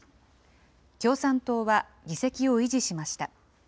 共産党は議席を維持しました。